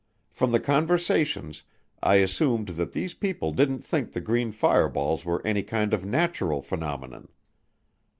From the conversations, I assumed that these people didn't think the green fireballs were any kind of a natural phenomenon.